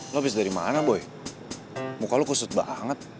lo bisa dari mana boy muka lo kusut banget